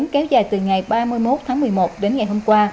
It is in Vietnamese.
mưa lửa khá lớn kéo dài từ ngày ba mươi một tháng một mươi một đến ngày hôm qua